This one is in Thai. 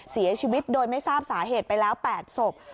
เสียชีวิตโดยไม่ทราบสาเหตุไปแล้ว๘ศพ